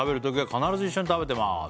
「必ず一緒に食べてます」